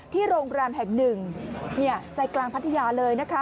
ที่โรงแรมแห่ง๑ใจกลางพัทยาเลย